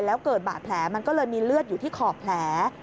แล้วเกิดบาดแผลมันก็เลยมีเลือดอยู่ที่ขอบแผล